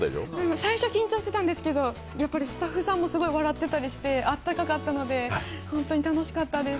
最初緊張してたんですけど、スタッフさんも笑っててあったかかったので本当に楽しかったです。